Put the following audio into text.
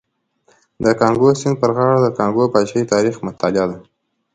د کانګو سیند پر غاړه د کانګو پاچاهۍ تاریخ مطالعه ده.